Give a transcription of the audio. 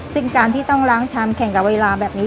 ซึ่งการที่ต้องล้างชามแข่งกับเวลาแบบนี้